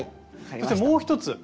そしてもう１つ。